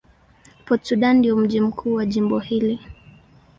Port Sudan ndio mji mkuu wa jimbo hili.